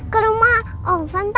ke rumah ovan pa